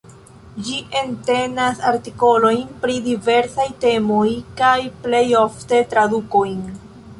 Ĝi entenas artikolojn pri diversaj temoj, kaj plej ofte tradukojn.